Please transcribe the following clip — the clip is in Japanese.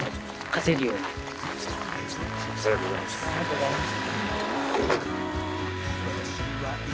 ありがとうございます。